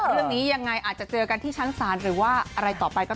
เรื่องนี้ยังไงอาจจะเจอกันที่ชั้นศาลหรือว่าอะไรต่อไปก็